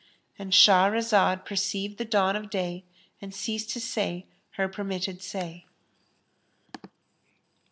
—And Shahrazad perceived the dawn of day and ceased to say her permitted say.